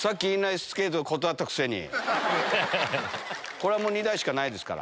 これは２台しかないですから。